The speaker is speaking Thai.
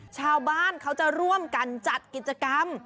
ชาวบ้านเขาจะร่วมกันจัดกิจกรรม